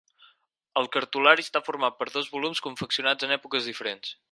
El cartulari està format per dos volums confeccionats en èpoques diferents.